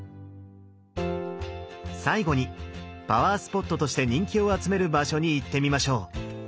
最後にパワースポットとして人気を集める場所に行ってみましょう。